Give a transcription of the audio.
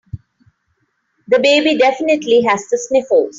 The baby definitely has the sniffles.